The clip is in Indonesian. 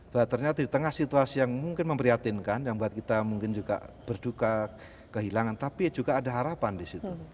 bahwa ternyata di tengah situasi yang mungkin memprihatinkan yang buat kita mungkin juga berduka kehilangan tapi juga ada harapan di situ